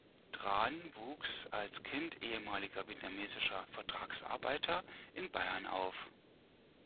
Tran wuchs als Kind ehemaliger vietnamesischer Vertragsarbeiter in Bayern auf.